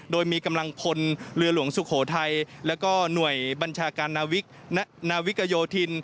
โดยมีกำลังพลเรือหลวงสุโขทัยแล้วก็หน่วยบัญชาการนาวิกโยธิน